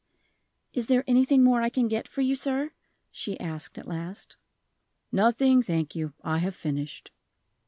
"Is there anything more I can get for you, sir?" she asked, at last. "Nothing, thank you; I have finished."